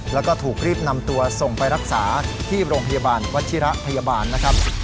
แล้วก็ถูกรีบนำตัวส่งไปรักษาที่โรงพยาบาลวัชิระพยาบาลนะครับ